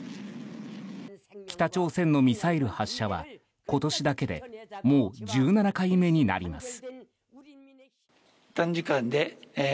北朝鮮のミサイル発射は今年だけでもう１７回目になります。